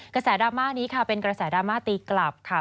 กระแสดราม่านี้ค่ะเป็นกระแสดราม่าตีกลับค่ะ